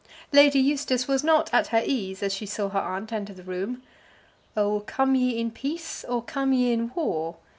Lady Eustace was not at her ease as she saw her aunt enter the room. "Oh, come ye in peace, or come ye in war?"